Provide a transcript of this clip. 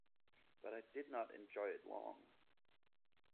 But I did not enjoy it long.